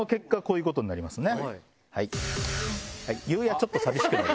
ちょっと寂しくなる。